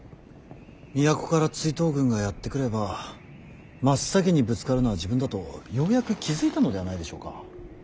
都から追討軍がやって来ればまっさきにぶつかるのは自分だとようやく気付いたのではないでしょうか。